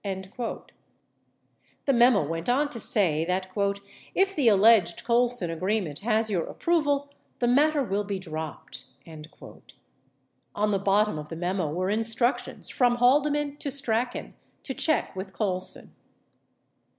86 The memo went on to say that " [i] f the alleged Colson agreement has your approval the matter will be dropped." On the bottom of the memo were instructions from Haldeman to Strachan to check with Colson.